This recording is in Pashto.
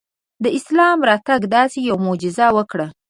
د اسلام راتګ داسې یوه معجزه وکړه.